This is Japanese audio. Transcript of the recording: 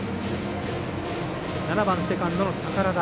７番、セカンドの寳田。